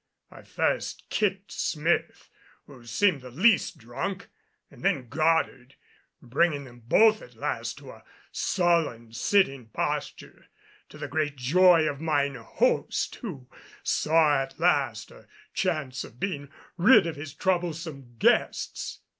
I first kicked Smith, who seemed the least drunk, and then Goddard; bringing them both at last to a sullen sitting posture, to the great joy of mine host, who saw at last a chance of being rid of his troublesome guests.